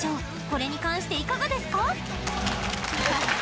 これに関していかがですか？